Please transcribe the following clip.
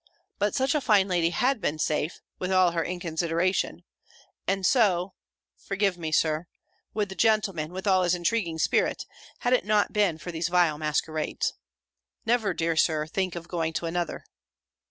But such a fine lady had been safe, with all her inconsideration; and so (forgive me. Sir,) would the gentleman, with all his intriguing spirit, had it not been for these vile masquerades. Never, dear Sir, think of going to another."